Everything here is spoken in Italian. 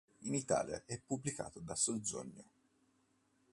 In Italia è pubblicato da Sonzogno.